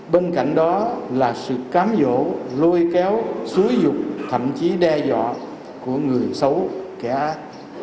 bên cạnh đó là sự cám dỗ lôi kéo xúi dục thậm chí đe dọa của người xấu kẻ ác